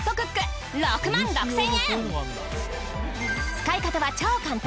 使い方は超簡単。